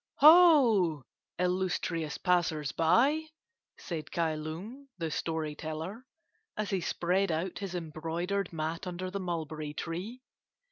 "Ho, illustrious passers by!" said Kai Lung, the story teller, as he spread out his embroidered mat under the mulberry tree.